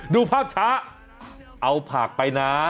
ดูภาพช้าเอาผักไปนะ